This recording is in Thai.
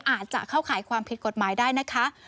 อาจจะเข้าขายความผิดกฎหมายได้นะคะ